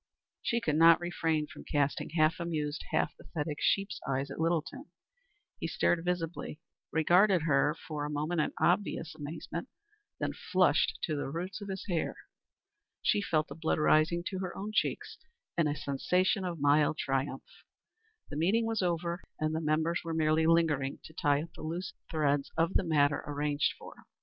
She could not refrain from casting half amused, half pathetic sheep's eyes at Littleton. He started visibly, regarded her for, a moment in obvious amazement, then flushed to the roots of his hair. She felt the blood rising to her own cheeks, and a sensation of mild triumph. The meeting was over and the members were merely lingering to tie up the loose threads of the matter arranged for.